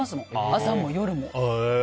朝も夜も。